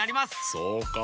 そうか。